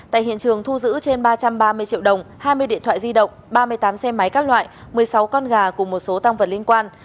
tại hiện trường thu giữ trên ba trăm ba mươi triệu đồng hai mươi điện thoại di động ba mươi tám xe máy các loại một mươi sáu con gà cùng một số tăng vật liên quan